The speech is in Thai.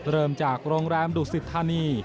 เริ่มจากโรงแรมดุสิทธานี